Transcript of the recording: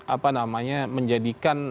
apa namanya menjadikan